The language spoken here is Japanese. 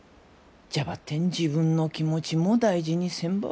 じゃばってん自分の気持ちも大事にせんば。